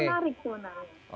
ini yang menarik